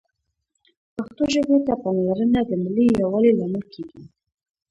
پښتو ژبې ته پاملرنه د ملي یووالي لامل کېږي